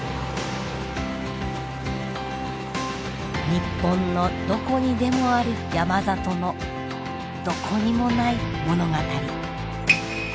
日本のどこにでもある山里のどこにもない物語。